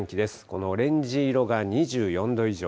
このオレンジ色が２４度以上。